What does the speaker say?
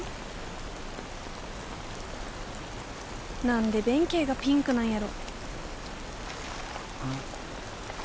何で弁慶がピンクなんやろ？